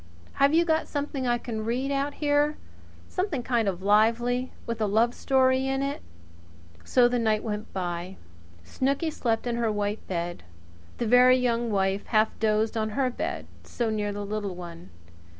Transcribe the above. Have you got something I can read out here something kind of lively with a love story in it?" So the night went by. Snooky slept in her little white bed. The Very Young Wife half dozed in her bed, so near the little one.